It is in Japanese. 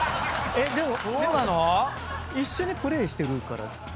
そうなの⁉一緒にプレーしてるから。